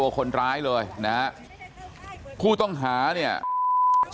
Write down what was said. สารภาพนะครับทั้งหมดยอมรับสารภาพว่าก่อเหตุกันจริงโดยบอกว่าได้รับการติดต่อจากผู้จ้างวานประมาณ๑เดือนก่อนเกิดเหตุ